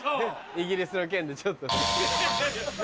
イギリスの件でちょっと。